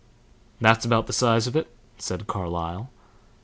"That's about the size of it," said Carlyle.